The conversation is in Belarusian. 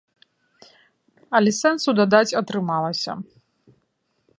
Але сэнсу дадаць атрымалася.